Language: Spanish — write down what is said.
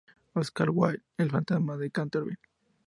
Óscar Wilde: "El fantasma de Canterville".